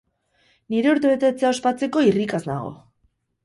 Nire urtebetetzea ospatzeko irrikaz nago!